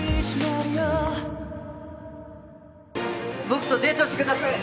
僕とデートしてください！